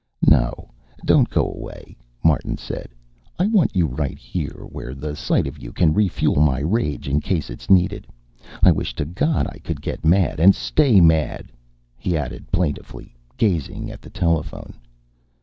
"No, don't go away," Martin said. "I want you right here, where the sight of you can refuel my rage in case it's needed. I wish to God I could get mad and stay mad," he added plaintively, gazing at the telephone.